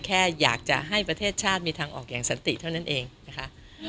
แค่อยากจะให้ประเทศชาติมีทางออกอย่างสันติเท่านั้นเองนะคะ